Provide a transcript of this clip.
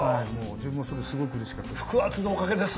自分もそれすごくうれしかったです。